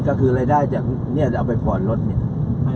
ก็คือรายได้จากเนี่ยจะเอาไปผ่อนรถเนี่ย